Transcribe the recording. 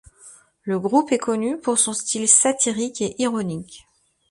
Le groupe est connu pour son style satirique et ironique.